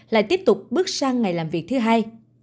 lại tiếp tục bước sang ngày làm việc thứ hai